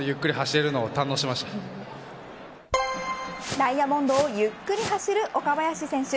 ダイヤモンドをゆっくり走る岡林選手